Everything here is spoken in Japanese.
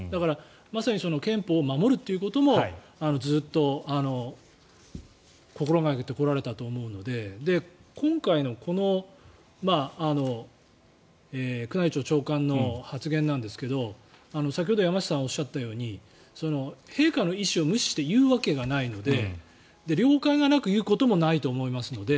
まさに憲法を守るということもずっと心掛けてこられたと思うので今回の、この宮内庁長官の発言なんですけど先ほど山下さんがおっしゃったように陛下の意思を無視して言うわけがないので了解がなく言うこともないと思いますので。